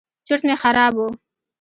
چورت مې خراب و.